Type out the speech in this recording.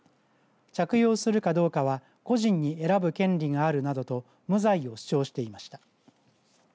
着用するかどうかは個人に選ぶ権利があるなどと無罪を主張していました。